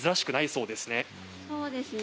そうですね。